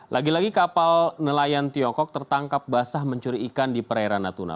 lagi lagi kapal nelayan tiongkok tertangkap basah mencuri ikan di perairan natuna